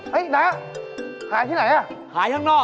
น้าหายที่ไหนอ่ะหายข้างนอก